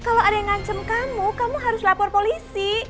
kalau ada yang ngancem kamu kamu harus lapor polisi